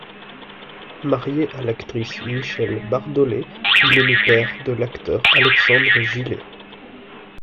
Marié à l'actrice Michèle Bardollet, il est le père de l'acteur Alexandre Gillet.